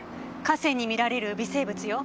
河川に見られる微生物よ。